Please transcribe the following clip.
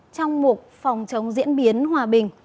trong một phòng chống diễn biến hoàn toàn